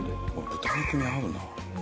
豚肉に合うな。